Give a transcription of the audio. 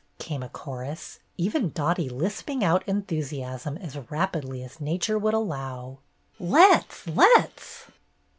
came a chorus, even Dottie lisping out enthu siasm as rapidly as nature would allow, "Letth! Letth!"